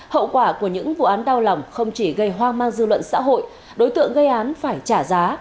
hậu quả của những vụ án đau lòng không chỉ gây hoang mang dư luận xã hội đối tượng gây án phải trả giá